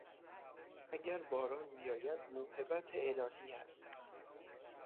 اگر باران بیاید موهبت الهی است.